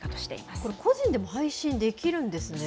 これ、個人でも配信できるんですね。